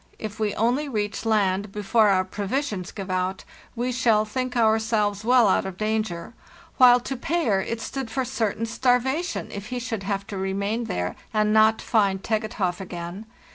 If we only reach land before our provisions give out we shall think our selves well out cf danger, while to Payer it stood for certain starvation if he should have to remain there and not find Zegethoff again.